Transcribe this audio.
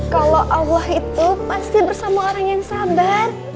kalau allah itu pasti bersama orang yang sabar